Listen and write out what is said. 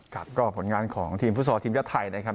ก็ผลงานของฟุตสอดทีมชาติไทยนะครับ